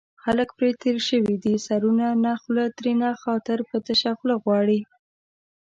خلک پرې تېر شوي دي سرونو نه خوله ترېنه خاطر په تشه خوله غواړي